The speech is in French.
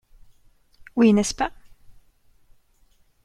Oui, n'est-ce pas?